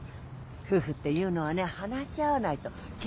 夫婦っていうのはね話し合わないと。